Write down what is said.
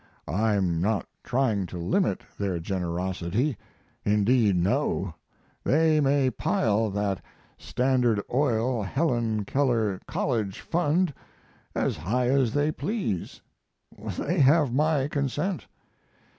I'm not trying to limit their generosity indeed no; they may pile that Standard Oil Helen Keller College Fund as high as they please; they have my consent.